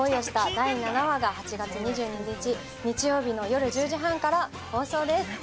第７話が８月２２日日曜日の夜１０時半から放送です。